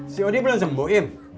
si odi belum sembuhin